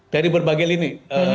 dari berbagai lini